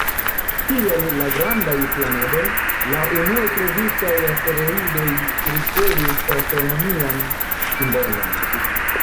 Kiel la "grandaj" planedoj, la unue-trovataj asteroidoj ricevis astronomian simbolon.